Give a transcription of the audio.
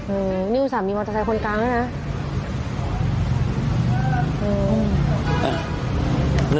อืมนี่อุตส่าหมีมอเตอร์ไซค์คนกลางด้วยนะ